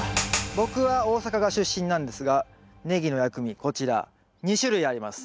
僕は大阪が出身なんですがネギの薬味こちら２種類あります。